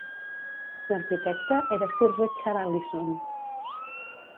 L'arquitecte era Sir Richard Allison.